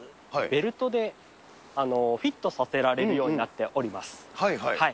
ベルトでフィットさせられるようになっております。